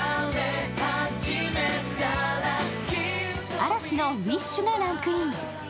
嵐の「ＷＩＳＨ」がランクイン。